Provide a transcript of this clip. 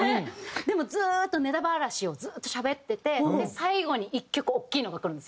でもずっとネタバラシをずっとしゃべってて最後に１曲大きいのがくるんですよ。